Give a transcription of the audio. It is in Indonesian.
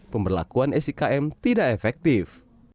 pemberlakuan sikm tidak efektif